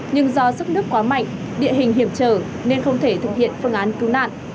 nhưng do sức nước quá mạnh địa hình hiểm trở nên không thể thực hiện phương án cứu nạn